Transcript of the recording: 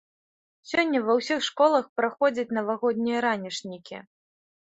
Сёння ва ўсіх школах праходзяць навагоднія ранішнікі.